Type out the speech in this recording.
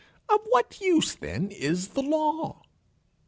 Of what use then is the law?